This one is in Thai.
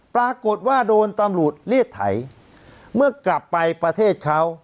ปรากฏว่าโดนตำรวจเรียกไถเมื่อกลับไปประเทศเขา